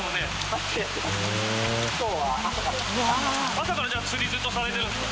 朝からじゃあ釣りずっとされてるんですか？